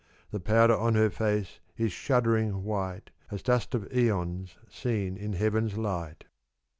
The powder on her face is shuddering white As dust of aeons seen in heaven's light.